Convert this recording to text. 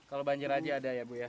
kalau banjir aja ada ya bu ya